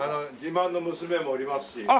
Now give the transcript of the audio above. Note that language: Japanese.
自慢の娘もおりますし。